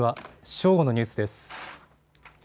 正午のニュースです。